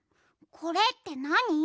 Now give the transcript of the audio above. これってなに？